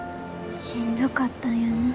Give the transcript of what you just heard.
しんどかったんやな。